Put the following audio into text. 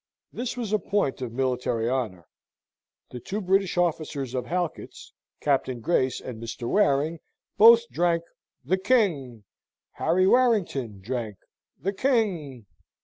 This was a point of military honour. The two British officers of Halkett's, Captain Grace and Mr. Waring, both drank "The King." Harry Warrington drank "The King."